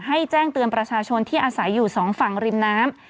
แจ้งเตือนประชาชนที่อาศัยอยู่สองฝั่งริมน้ำ